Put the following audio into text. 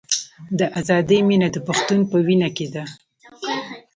د ازادۍ مینه د پښتون په وینه کې ده.